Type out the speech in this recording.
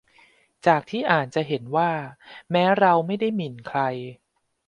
จากที่อ่านจะเห็นว่า แม้เราไม่ได้หมิ่นใคร